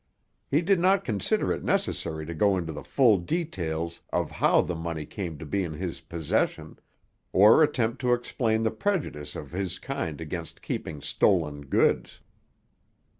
He did not consider it necessary to go into the full details of how the money came to be in his possession, or attempt to explain the prejudice of his kind against keeping stolen goods.